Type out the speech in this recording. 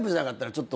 ちょっと。